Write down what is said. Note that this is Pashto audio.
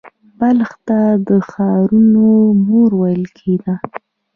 بلخ ته د ښارونو مور ویل کیده